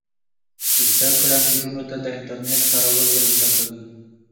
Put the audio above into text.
زده کړه نجونو ته د انټرنیټ کارول ور زده کوي.